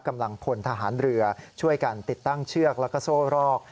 กำลังพลทหารเรือช่วยกันติดตั้งเชือกแล้วก็โซ่รอก